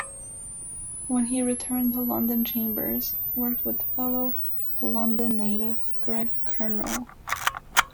When he returned to London Chambers worked with fellow London native Greg Curnoe.